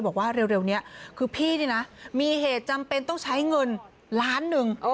บอกว่าเร็วนี้คือพี่นี่นะมีเหตุจำเป็นต้องใช้เงินล้านหนึ่ง